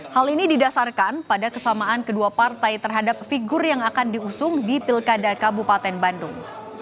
hal ini didasarkan pada kesamaan kedua partai terhadap figur yang akan diusung di pilkada kabupaten bandung